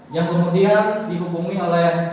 yang kemudian dihubungi oleh